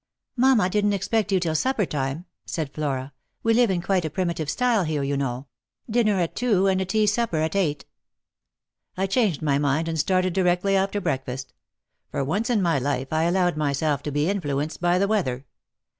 " Mamma didn't expect you till supper time," said Flora ;" we live in quite a primitive style here, you know — dinner at two, and a tea supper at eight." " I changed my mind and started directly after breakfast. For once in my life I allowed myself to be influenced by the weather.